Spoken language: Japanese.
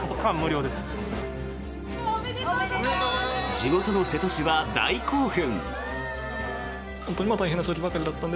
地元の瀬戸市は大興奮。